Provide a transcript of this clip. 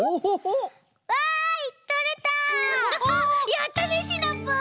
やったねシナプー！